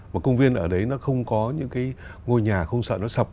một công viên ở đấy nó không có những cái ngôi nhà không sợ nó sập